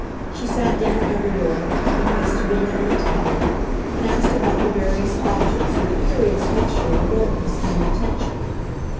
She sat down everywhere, confessed to being a little tired, and asked about the various objects with a curious mixture of alertness and inattention.